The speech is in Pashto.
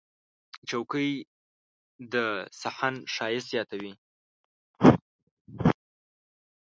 چوکۍ د صحن ښایست زیاتوي.